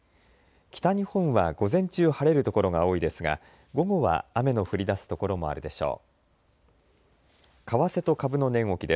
北日本は午前中晴れる所が多いですが午後は雨の降りだす所もあるでしょう。